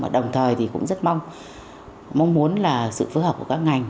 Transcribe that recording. đồng thời cũng rất mong muốn sự phối hợp của các ngành